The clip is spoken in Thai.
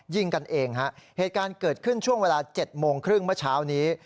ยิงกันเองฮะ